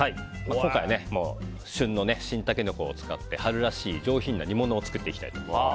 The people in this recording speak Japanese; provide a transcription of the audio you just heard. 今回は旬の新タケノコを使って春らしい上品な煮物を作っていきたいと思います。